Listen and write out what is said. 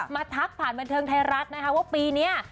ทักผ่านบันเทิงไทยรัฐนะคะว่าปีนี้